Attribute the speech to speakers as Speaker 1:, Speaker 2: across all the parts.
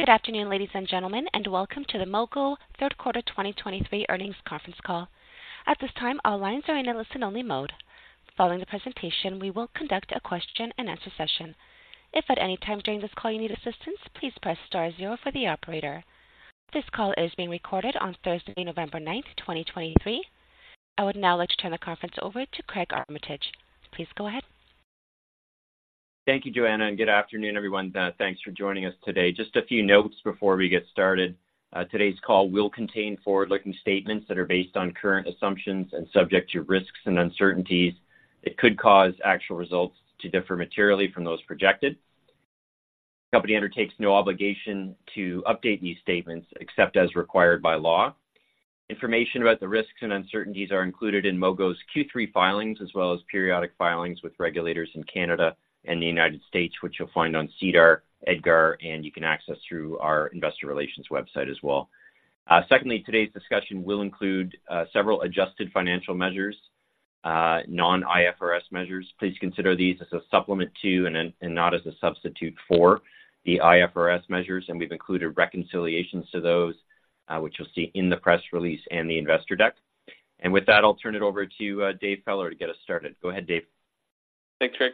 Speaker 1: Good afternoon, ladies and gentlemen, and welcome to the Mogo Third Quarter 2023 Earnings Conference Call. At this time, all lines are in a listen-only mode. Following the presentation, we will conduct a question-and-answer session. If at any time during this call you need assistance, please press star zero for the operator. This call is being recorded on Thursday, November 9, 2023. I would now like to turn the conference over to Craig Armitage. Please go ahead.
Speaker 2: Thank you, Joanna, and good afternoon, everyone. Thanks for joining us today. Just a few notes before we get started. Today's call will contain forward-looking statements that are based on current assumptions and subject to risks and uncertainties that could cause actual results to differ materially from those projected. The company undertakes no obligation to update these statements except as required by law. Information about the risks and uncertainties are included in Mogo's Q3 filings, as well as periodic filings with regulators in Canada and the United States, which you'll find on SEDAR, EDGAR, and you can access through our Investor Relations website as well. Secondly, today's discussion will include several adjusted financial measures, non-IFRS measures. Please consider these as a supplement to, and not as a substitute for the IFRS measures, and we've included reconciliations to those, which you'll see in the press release and the investor deck. With that, I'll turn it over to Dave Feller to get us started. Go ahead, Dave.
Speaker 3: Thanks, Craig.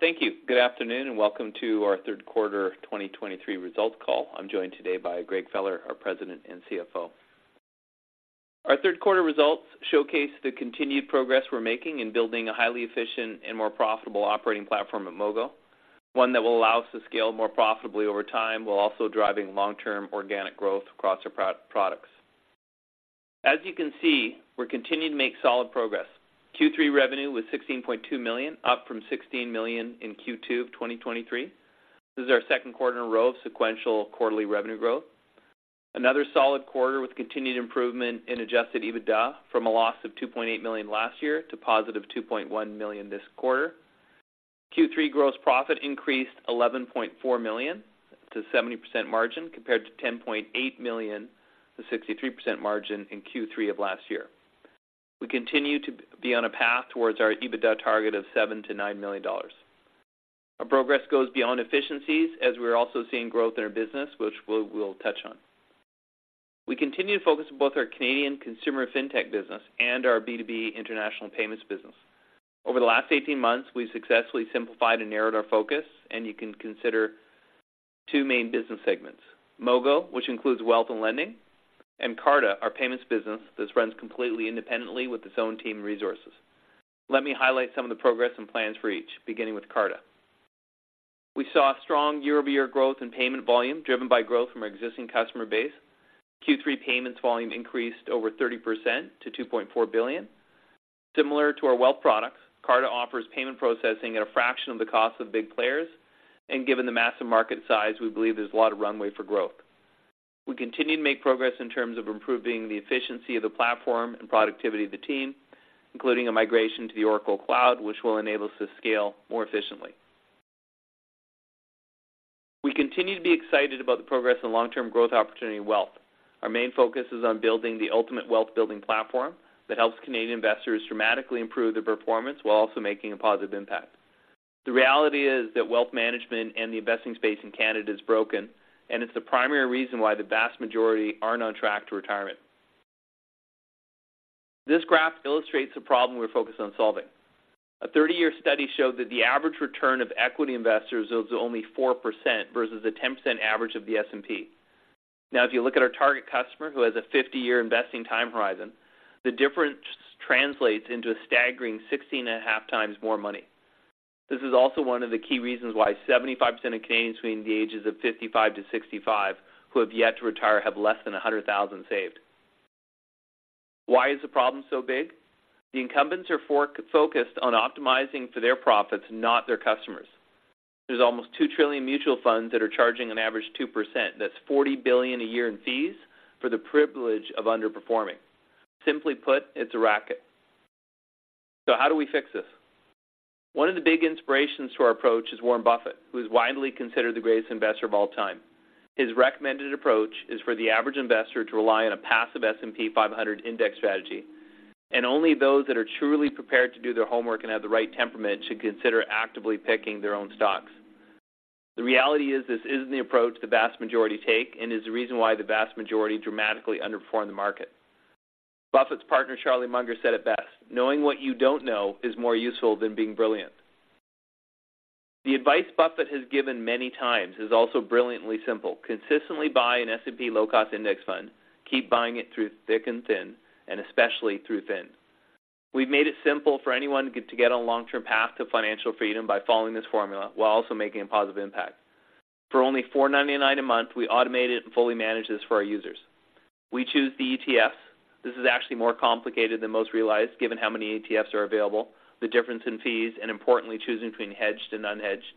Speaker 3: Thank you. Good afternoon, and welcome to our third quarter 2023 results call. I'm joined today by Greg Feller, our President and CFO. Our third quarter results showcase the continued progress we're making in building a highly efficient and more profitable operating platform at Mogo, one that will allow us to scale more profitably over time, while also driving long-term organic growth across our products. As you can see, we're continuing to make solid progress. Q3 revenue was 16.2 million, up from 16 million in Q2 of 2023. This is our second quarter in a row of sequential quarterly revenue growth. Another solid quarter with continued improvement in Adjusted EBITDA from a loss of 2.8 million last year to positive 2.1 million this quarter. Q3 gross profit increased 11.4 million to 70% margin, compared to 10.8 million to 63% margin in Q3 of last year. We continue to be on a path towards our EBITDA target of 7 million-9 million dollars. Our progress goes beyond efficiencies, as we're also seeing growth in our business, which we'll touch on. We continue to focus on both our Canadian consumer fintech business and our B2B international payments business. Over the last 18 months, we've successfully simplified and narrowed our focus, and you can consider two main business segments: Mogo, which includes wealth and lending, and Carta, our payments business that runs completely independently with its own team and resources. Let me highlight some of the progress and plans for each, beginning with Carta. We saw a strong year-over-year growth in payment volume, driven by growth from our existing customer base. Q3 payments volume increased over 30% to 2.4 billion. Similar to our wealth products, Carta offers payment processing at a fraction of the cost of big players, and given the massive market size, we believe there's a lot of runway for growth. We continue to make progress in terms of improving the efficiency of the platform and productivity of the team, including a migration to the Oracle Cloud, which will enable us to scale more efficiently. We continue to be excited about the progress and long-term growth opportunity in wealth. Our main focus is on building the ultimate wealth-building platform that helps Canadian investors dramatically improve their performance while also making a positive impact. The reality is that wealth management and the investing space in Canada is broken, and it's the primary reason why the vast majority aren't on track to retirement. This graph illustrates the problem we're focused on solving. A 30-year study showed that the average return of equity investors is only 4% versus the 10% average of the S&P. Now, if you look at our target customer, who has a 50-year investing time horizon, the difference translates into a staggering 16.5 times more money. This is also one of the key reasons why 75% of Canadians between the ages of 55-65 who have yet to retire have less than 100,000 saved. Why is the problem so big? The incumbents are focused on optimizing for their profits, not their customers. There's almost 2 trillion mutual funds that are charging an average 2%. That's $40 billion a year in fees for the privilege of underperforming. Simply put, it's a racket. So how do we fix this? One of the big inspirations to our approach is Warren Buffett, who is widely considered the greatest investor of all time. His recommended approach is for the average investor to rely on a passive S&P 500 index strategy, and only those that are truly prepared to do their homework and have the right temperament should consider actively picking their own stocks. The reality is, this isn't the approach the vast majority take and is the reason why the vast majority dramatically underperform the market. Buffett's partner, Charlie Munger, said it best: "Knowing what you don't know is more useful than being brilliant." The advice Buffett has given many times is also brilliantly simple. Consistently buy an S&P low-cost index fund, keep buying it through thick and thin, and especially through thin. We've made it simple for anyone to get on a long-term path to financial freedom by following this formula while also making a positive impact. For only $4.99 a month, we automate it and fully manage this for our users. We choose the ETFs. This is actually more complicated than most realize, given how many ETFs are available, the difference in fees, and importantly, choosing between hedged and unhedged.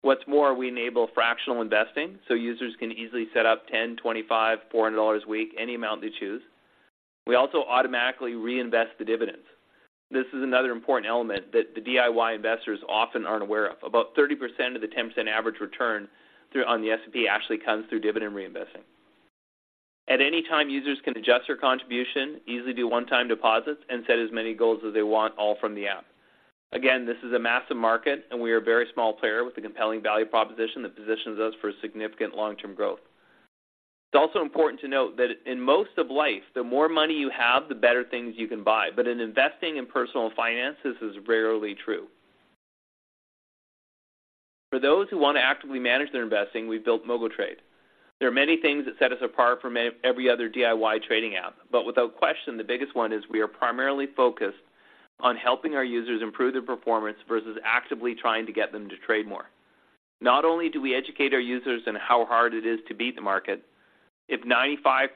Speaker 3: What's more, we enable fractional investing, so users can easily set up $10, $25, $400 a week, any amount they choose. We also automatically reinvest the dividends. This is another important element that the DIY investors often aren't aware of. About 30% of the 10% average return on the S&P actually comes through dividend reinvesting. At any time, users can adjust their contribution, easily do one-time deposits, and set as many goals as they want, all from the app. Again, this is a massive market, and we are a very small player with a compelling value proposition that positions us for significant long-term growth. It's also important to note that in most of life, the more money you have, the better things you can buy. But in investing in personal finance, this is rarely true. For those who want to actively manage their investing, we've built MogoTrade. There are many things that set us apart from every other DIY trading app, but without question, the biggest one is we are primarily focused on helping our users improve their performance versus actively trying to get them to trade more. Not only do we educate our users on how hard it is to beat the market, if 95%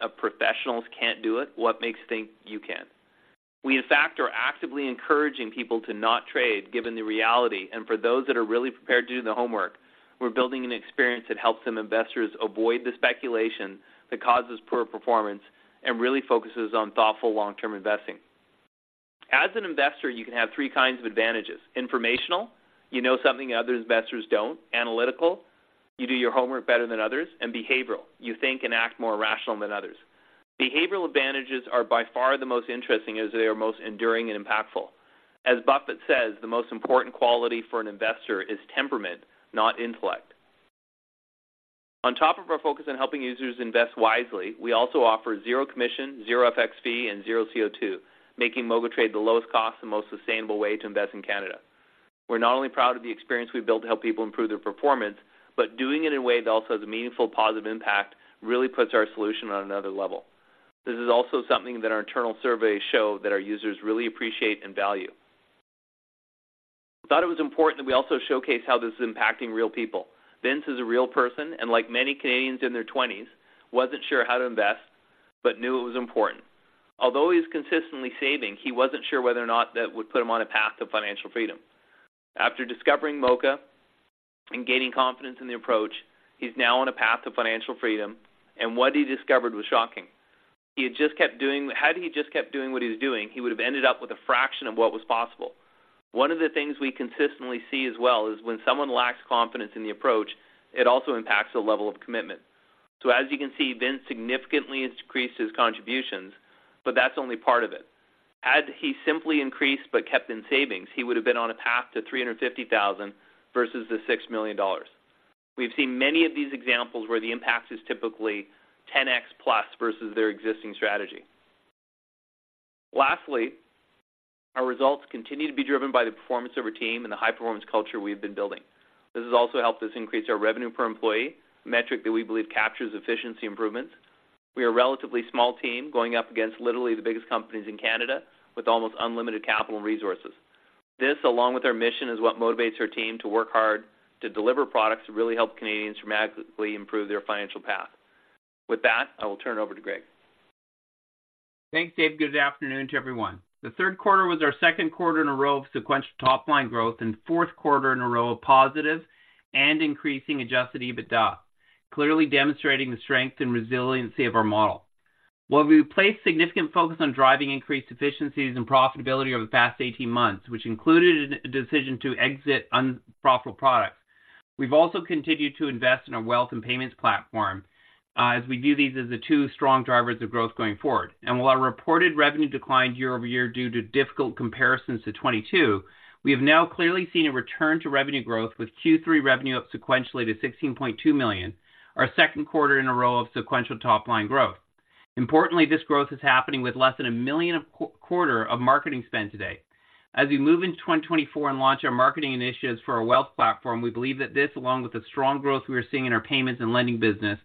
Speaker 3: of professionals can't do it, what makes you think you can? We, in fact, are actively encouraging people to not trade given the reality, and for those that are really prepared to do the homework, we're building an experience that helps some investors avoid the speculation that causes poor performance and really focuses on thoughtful, long-term investing. As an investor, you can have three kinds of advantages: informational, you know something other investors don't; analytical, you do your homework better than others; and behavioral, you think and act more rational than others. Behavioral advantages are by far the most interesting, as they are most enduring and impactful. As Buffett says, "The most important quality for an investor is temperament, not intellect." On top of our focus on helping users invest wisely, we also offer zero commission, zero FX fee, and zero CO2, making MogoTrade the lowest cost and most sustainable way to invest in Canada. We're not only proud of the experience we've built to help people improve their performance, but doing it in a way that also has a meaningful positive impact really puts our solution on another level. This is also something that our internal surveys show that our users really appreciate and value. We thought it was important that we also showcase how this is impacting real people. Vince is a real person, and like many Canadians in their twenties, wasn't sure how to invest, but knew it was important. Although he's consistently saving, he wasn't sure whether or not that would put him on a path to financial freedom. After discovering Mogo and gaining confidence in the approach, he's now on a path to financial freedom, and what he discovered was shocking. Had he just kept doing what he was doing, he would have ended up with a fraction of what was possible. One of the things we consistently see as well is when someone lacks confidence in the approach, it also impacts the level of commitment. So as you can see, Vince significantly increased his contributions, but that's only part of it. Had he simply increased but kept in savings, he would have been on a path to 350,000 versus 6 million dollars. We've seen many of these examples where the impact is typically 10x plus versus their existing strategy. Lastly, our results continue to be driven by the performance of our team and the high-performance culture we've been building. This has also helped us increase our revenue per employee, a metric that we believe captures efficiency improvements. We are a relatively small team, going up against literally the biggest companies in Canada with almost unlimited capital resources. This, along with our mission, is what motivates our team to work hard to deliver products that really help Canadians dramatically improve their financial path. With that, I will turn it over to Greg.
Speaker 4: Thanks, Dave. Good afternoon to everyone. The third quarter was our second quarter in a row of sequential top-line growth and fourth quarter in a row of positive and increasing adjusted EBITDA, clearly demonstrating the strength and resiliency of our model. While we've placed significant focus on driving increased efficiencies and profitability over the past 18 months, which included a decision to exit unprofitable products, we've also continued to invest in our wealth and payments platform, as we view these as the two strong drivers of growth going forward. And while our reported revenue declined year over year due to difficult comparisons to 2022, we have now clearly seen a return to revenue growth, with Q3 revenue up sequentially to $16.2 million, our second quarter in a row of sequential top-line growth. Importantly, this growth is happening with less than $1 million a quarter of marketing spend today. As we move into 2024 and launch our marketing initiatives for our wealth platform, we believe that this, along with the strong growth we are seeing in our payments and lending business,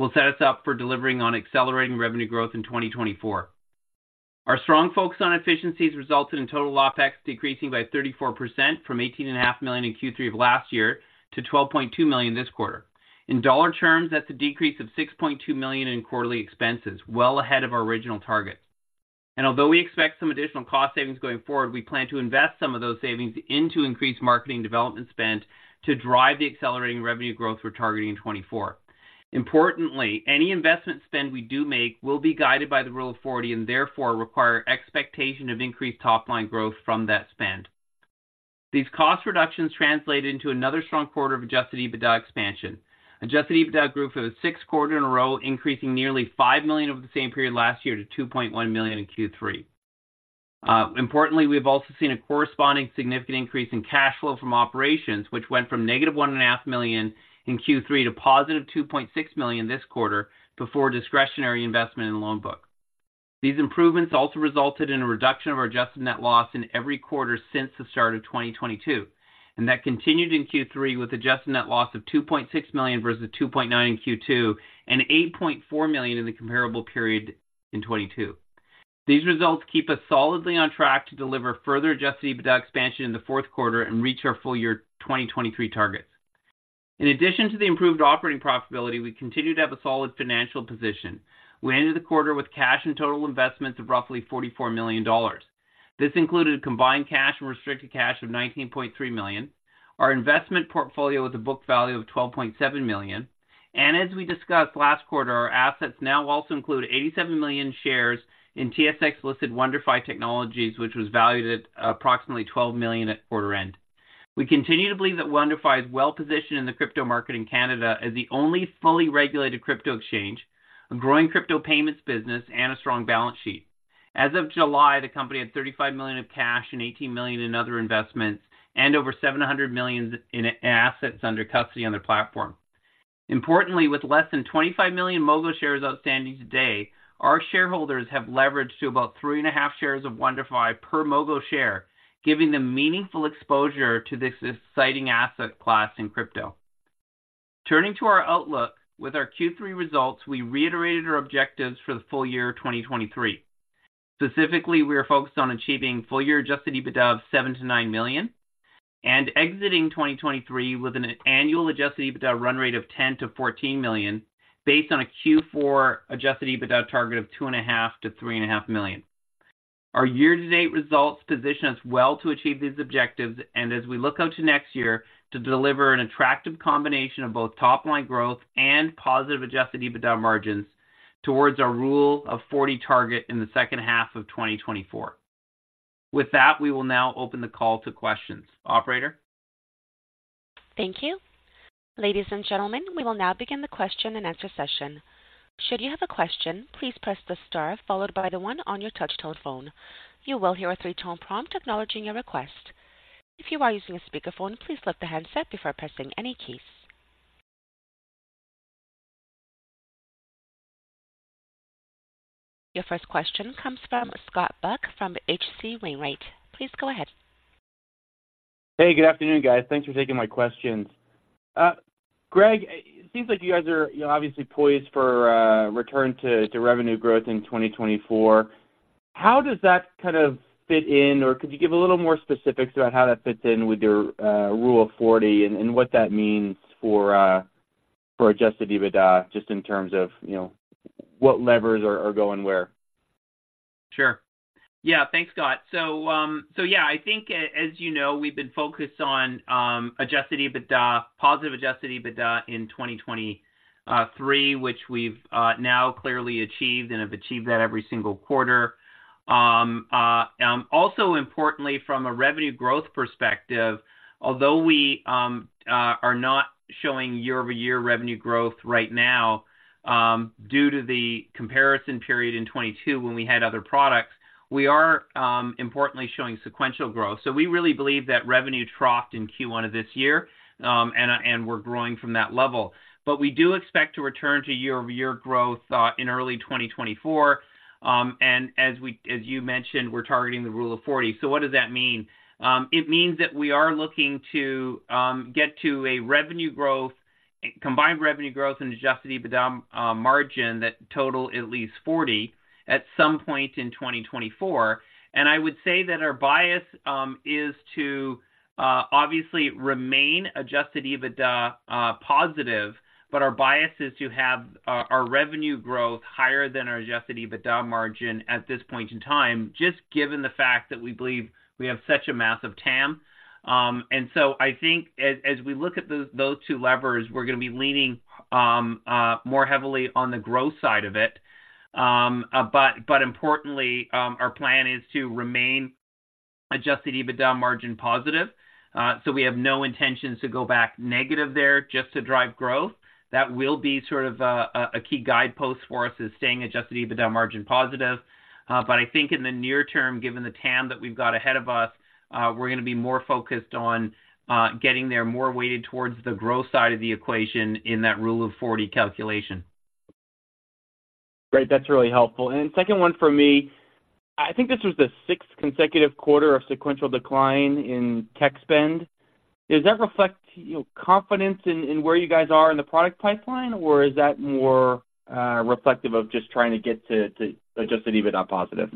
Speaker 4: will set us up for delivering on accelerating revenue growth in 2024. Our strong focus on efficiencies resulted in total OpEx decreasing by 34% from $18.5 million in Q3 of last year to $12.2 million this quarter. In dollar terms, that's a decrease of $6.2 million in quarterly expenses, well ahead of our original targets. And although we expect some additional cost savings going forward, we plan to invest some of those savings into increased marketing development spend to drive the accelerating revenue growth we're targeting in 2024. Importantly, any investment spend we do make will be guided by the Rule of 40, and therefore require expectation of increased top-line growth from that spend. These cost reductions translated into another strong quarter of Adjusted EBITDA expansion. Adjusted EBITDA grew for the sixth quarter in a row, increasing nearly 5 million over the same period last year to 2.1 million in Q3. Importantly, we've also seen a corresponding significant increase in cash flow from operations, which went from negative 1.5 million in Q3 to positive 2.6 million this quarter, before discretionary investment in the loan book. These improvements also resulted in a reduction of our adjusted net loss in every quarter since the start of 2022, and that continued in Q3, with adjusted net loss of $2.6 million versus $2.9 million in Q2 and $8.4 million in the comparable period in 2022. These results keep us solidly on track to deliver further Adjusted EBITDA expansion in the fourth quarter and reach our full year 2023 targets. In addition to the improved operating profitability, we continue to have a solid financial position. We ended the quarter with cash and total investments of roughly $44 million. This included combined cash and restricted cash of $19.3 million. Our investment portfolio with a book value of 12.7 million, and as we discussed last quarter, our assets now also include 87 million shares in TSX-listed WonderFi Technologies, which was valued at approximately 12 million at quarter end. We continue to believe that WonderFi is well-positioned in the crypto market in Canada as the only fully regulated crypto exchange, a growing crypto payments business, and a strong balance sheet. As of July, the company had 35 million of cash and 18 million in other investments, and over 700 million in assets under custody on their platform. Importantly, with less than 25 million Mogo shares outstanding today, our shareholders have leverage to about 3.5 shares of WonderFi per Mogo share, giving them meaningful exposure to this exciting asset class in crypto. Turning to our outlook, with our Q3 results, we reiterated our objectives for the full year, 2023. Specifically, we are focused on achieving full year adjusted EBITDA of 7-9 million, and exiting 2023 with an annual adjusted EBITDA run rate of 10-14 million, based on a Q4 adjusted EBITDA target of 2.5-3.5 million. Our year-to-date results position us well to achieve these objectives, and as we look out to next year, to deliver an attractive combination of both top line growth and positive adjusted EBITDA margins towards our Rule of 40 target in the second half of 2024. With that, we will now open the call to questions. Operator?
Speaker 1: Thank you. Ladies and gentlemen, we will now begin the question and answer session. Should you have a question, please press the star followed by the one on your touch tone phone. You will hear a 3-tone prompt acknowledging your request. If you are using a speakerphone, please lift the handset before pressing any keys. Your first question comes from Scott Buck from H.C. Wainwright. Please go ahead.
Speaker 5: Hey, good afternoon, guys. Thanks for taking my questions. Greg, it seems like you guys are, you know, obviously poised for return to revenue growth in 2024. How does that kind of fit in, or could you give a little more specifics about how that fits in with your Rule of 40 and what that means for Adjusted EBITDA, just in terms of, you know, what levers are going where?
Speaker 4: Sure. Yeah. Thanks, Scott. So, yeah, I think as you know, we've been focused on Adjusted EBITDA, positive Adjusted EBITDA in 2023, which we've now clearly achieved and have achieved that every single quarter. Also importantly, from a revenue growth perspective, although we are not showing year-over-year revenue growth right now, due to the comparison period in 2022, when we had other products, we are importantly showing sequential growth. So we really believe that revenue troughed in Q1 of this year, and we're growing from that level. But we do expect to return to year-over-year growth in early 2024. And as you mentioned, we're targeting the rule of 40. So what does that mean? It means that we are looking to get to a revenue growth, combined revenue growth and Adjusted EBITDA margin that total at least 40 at some point in 2024. I would say that our bias is to obviously remain Adjusted EBITDA positive, but our bias is to have our revenue growth higher than our Adjusted EBITDA margin at this point in time, just given the fact that we believe we have such a massive TAM. So I think as we look at those two levers, we're going to be leaning more heavily on the growth side of it. But importantly, our plan is to remain Adjusted EBITDA margin positive. So we have no intentions to go back negative there just to drive growth. That will be sort of a key guidepost for us, is staying Adjusted EBITDA margin positive. But I think in the near term, given the TAM that we've got ahead of us, we're going to be more focused on getting there more weighted towards the growth side of the equation in that Rule of 40 calculation.
Speaker 5: Great. That's really helpful. Second one for me. I think this was the sixth consecutive quarter of sequential decline in tech spend. Does that reflect your confidence in where you guys are in the product pipeline, or is that more reflective of just trying to get to Adjusted EBITDA positive?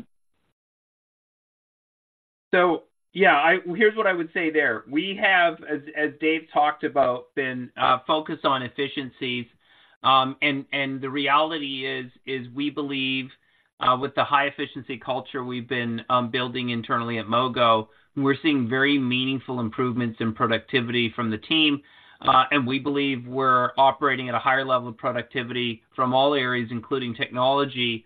Speaker 4: So, yeah, here's what I would say there. We have, as Dave talked about, been focused on efficiencies. The reality is we believe with the high efficiency culture we've been building internally at Mogo, we're seeing very meaningful improvements in productivity from the team, and we believe we're operating at a higher level of productivity from all areas, including technology,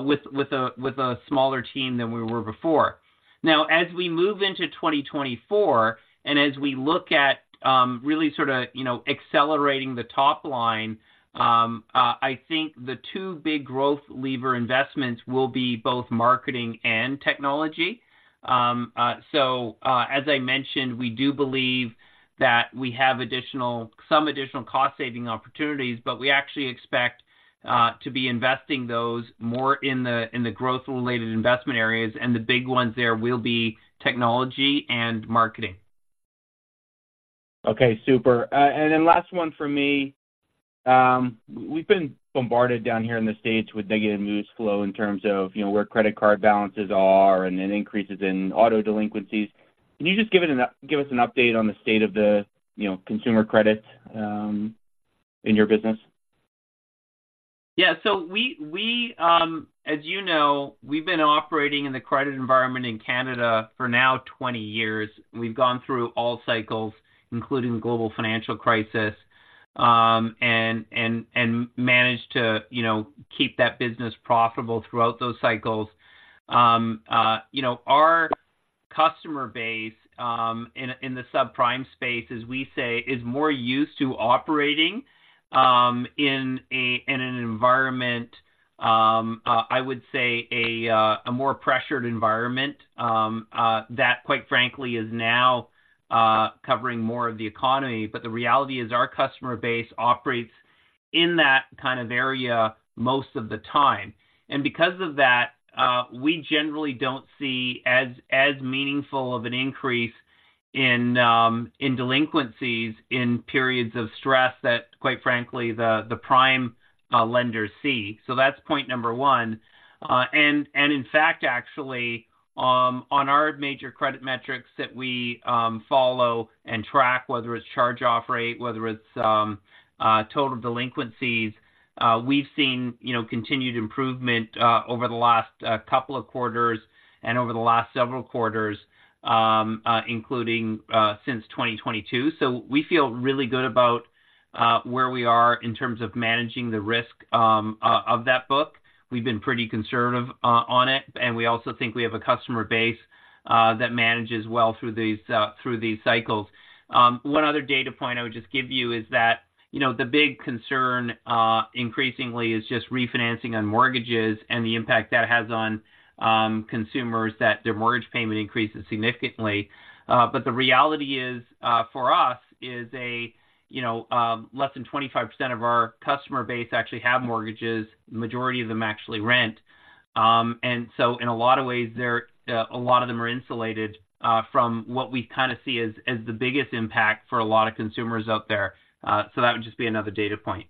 Speaker 4: with a smaller team than we were before. Now, as we move into 2024, and as we look at really sort of you know accelerating the top line, I think the two big growth lever investments will be both marketing and technology. As I mentioned, we do believe that we have some additional cost-saving opportunities, but we actually expect to be investing those more in the growth-related investment areas, and the big ones there will be technology and marketing.
Speaker 5: Okay, super. And then last one for me. We've been bombarded down here in the States with negative news flow in terms of, you know, where credit card balances are and increases in auto delinquencies. Can you just give us an update on the state of the, you know, consumer credit, in your business?
Speaker 4: Yeah. So we, as you know, we've been operating in the credit environment in Canada for now 20 years. We've gone through all cycles, including the global financial crisis, and manage to, you know, keep that business profitable throughout those cycles. You know, our customer base in the subprime space, as we say, is more used to operating in an environment, I would say a more pressured environment that, quite frankly, is now covering more of the economy. But the reality is our customer base operates in that kind of area most of the time. And because of that, we generally don't see as meaningful of an increase in delinquencies in periods of stress that, quite frankly, the prime lenders see. So that's point number one. And in fact, actually, on our major credit metrics that we follow and track, whether it's charge-off rate, whether it's total delinquencies, we've seen, you know, continued improvement over the last couple of quarters and over the last several quarters, including since 2022. So we feel really good about where we are in terms of managing the risk of that book. We've been pretty conservative on it, and we also think we have a customer base that manages well through these cycles. One other data point I would just give you is that, you know, the big concern increasingly is just refinancing on mortgages and the impact that has on consumers, that their mortgage payment increases significantly. But the reality is, for us, you know, less than 25% of our customer base actually have mortgages. The majority of them actually rent. And so in a lot of ways, they're a lot of them are insulated from what we kind of see as the biggest impact for a lot of consumers out there. So that would just be another data point.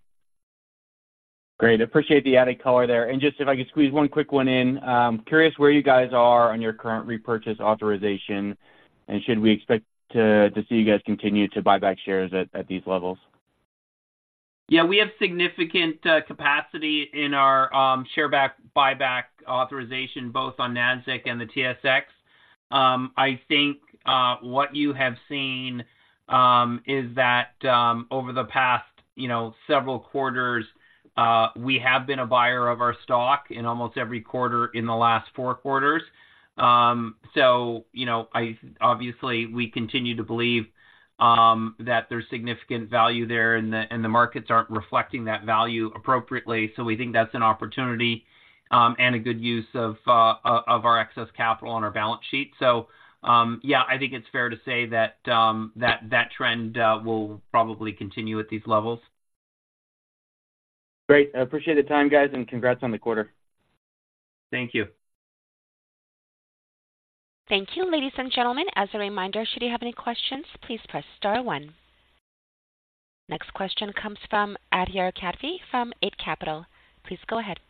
Speaker 5: Great. Appreciate the added color there. Just if I could squeeze one quick one in. Curious where you guys are on your current repurchase authorization, and should we expect to see you guys continue to buy back shares at these levels?
Speaker 4: Yeah, we have significant capacity in our share buyback authorization, both on Nasdaq and the TSX. I think what you have seen is that over the past, you know, several quarters, we have been a buyer of our stock in almost every quarter in the last four quarters. So you know, obviously, we continue to believe that there's significant value there, and the, and the markets aren't reflecting that value appropriately. So we think that's an opportunity and a good use of our excess capital on our balance sheet. So yeah, I think it's fair to say that that trend will probably continue at these levels.
Speaker 5: Great. I appreciate the time, guys, and congrats on the quarter.
Speaker 4: Thank you.
Speaker 1: Thank you, ladies and gentlemen. As a reminder, should you have any questions, please press star one. Next question comes from Adhir Kadve from Eight Capital. Please go ahead.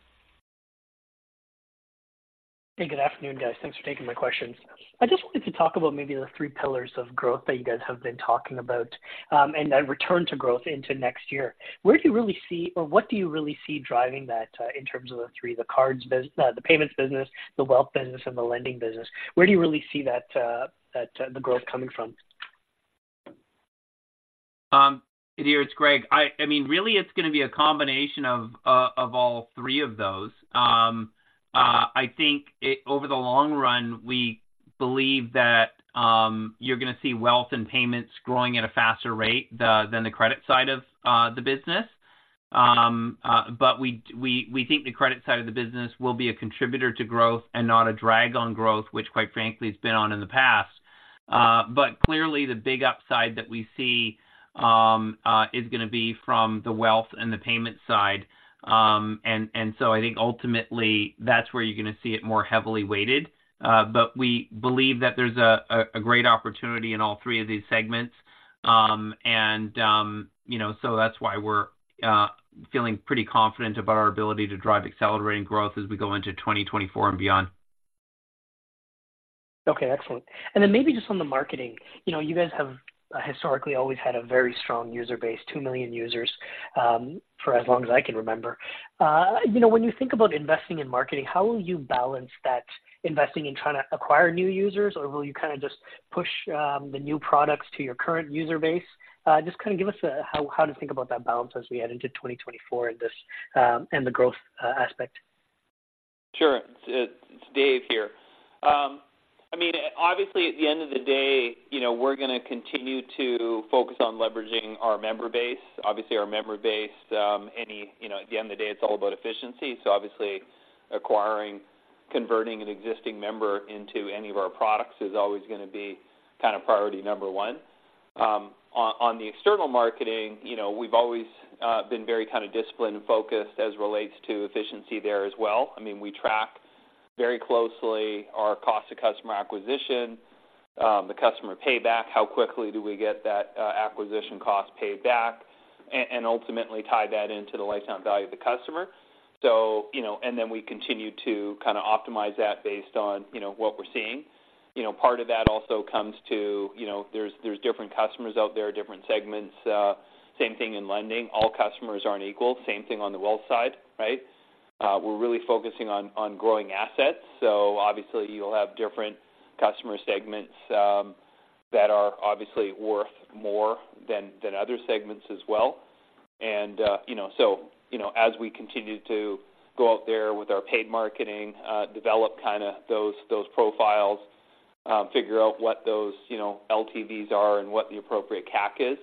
Speaker 6: Hey, good afternoon, guys. Thanks for taking my questions. I just wanted to talk about maybe the three pillars of growth that you guys have been talking about, and then return to growth into next year. Where do you really see or what do you really see driving that, in terms of the three, the payments business, the wealth business, and the lending business? Where do you really see that, the growth coming from?
Speaker 4: Adhir, it's Greg. I mean, really, it's going to be a combination of all three of those. I think over the long run, we believe that you're going to see wealth and payments growing at a faster rate than the credit side of the business. But we think the credit side of the business will be a contributor to growth and not a drag on growth, which, quite frankly, it's been on in the past. But clearly, the big upside that we see is going to be from the wealth and the payment side. And so I think ultimately that's where you're going to see it more heavily weighted. But we believe that there's a great opportunity in all three of these segments. You know, so that's why we're feeling pretty confident about our ability to drive accelerating growth as we go into 2024 and beyond.
Speaker 6: Okay, excellent. And then maybe just on the marketing. You know, you guys have historically always had a very strong user base, 2 million users, for as long as I can remember. You know, when you think about investing in marketing, how will you balance that investing in trying to acquire new users? Or will you kind of just push the new products to your current user base? Just kind of give us a how to think about that balance as we head into 2024 and this and the growth aspect.
Speaker 3: Sure. It's Dave here. I mean, obviously, at the end of the day, you know, we're going to continue to focus on leveraging our member base. Obviously, our member base, you know, at the end of the day, it's all about efficiency. So obviously acquiring, converting an existing member into any of our products is always going to be kind of priority number one. On the external marketing, you know, we've always been very kind of disciplined and focused as relates to efficiency there as well. I mean, we track very closely our cost to customer acquisition, the customer payback, how quickly do we get that, acquisition cost paid back, and ultimately tie that into the lifetime value of the customer. So, you know, and then we continue to kind of optimize that based on, you know, what we're seeing. You know, part of that also comes to, you know, there's different customers out there, different segments. Same thing in lending. All customers aren't equal. Same thing on the wealth side, right? We're really focusing on growing assets. So obviously, you'll have different customer segments that are obviously worth more than other segments as well. And, you know, so, you know, as we continue to go out there with our paid marketing, develop kinda those profiles, figure out what those, you know, LTVs are and what the appropriate CAC is,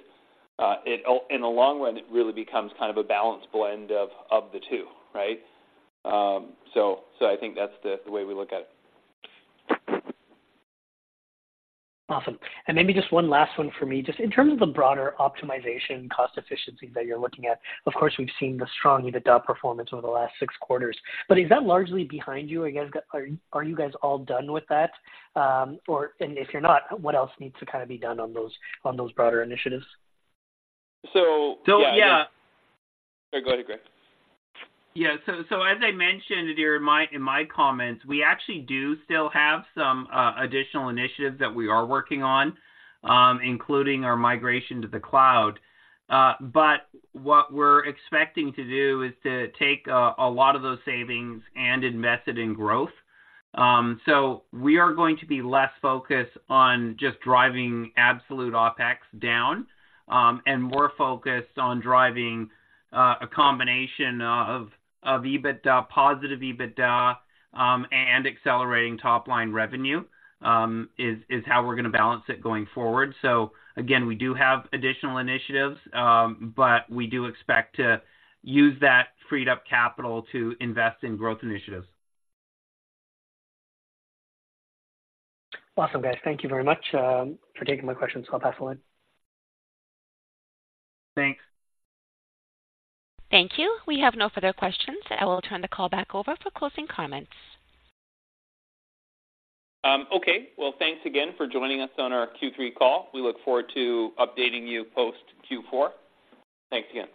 Speaker 3: in the long run, it really becomes kind of a balanced blend of the two, right? So I think that's the way we look at it.
Speaker 6: Awesome. And maybe just one last one for me. Just in terms of the broader optimization cost efficiency that you're looking at, of course, we've seen the strong EBITDA performance over the last six quarters, but is that largely behind you? Are you guys all done with that? Or, if you're not, what else needs to kinda be done on those broader initiatives?
Speaker 3: So yeah-
Speaker 4: So, yeah.
Speaker 3: Sorry, go ahead, Greg.
Speaker 4: Yeah. So, as I mentioned here in my comments, we actually do still have some additional initiatives that we are working on, including our migration to the cloud. But what we're expecting to do is to take a lot of those savings and invest it in growth. So we are going to be less focused on just driving absolute OpEx down, and more focused on driving a combination of EBITDA, positive EBITDA, and accelerating top-line revenue, is how we're gonna balance it going forward. So again, we do have additional initiatives, but we do expect to use that freed up capital to invest in growth initiatives.
Speaker 6: Awesome, guys. Thank you very much for taking my questions. I'll pass along.
Speaker 4: Thanks.
Speaker 1: Thank you. We have no further questions. I will turn the call back over for closing comments.
Speaker 3: Okay. Well, thanks again for joining us on our Q3 call. We look forward to updating you post Q4. Thanks again.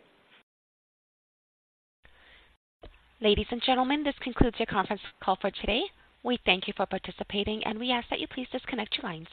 Speaker 1: Ladies and gentlemen, this concludes your conference call for today. We thank you for participating, and we ask that you please disconnect your lines.